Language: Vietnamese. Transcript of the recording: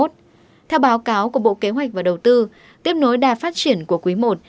theo báo cáo của bộ kế hoạch và đầu tư tiếp nối đà phát triển của quý i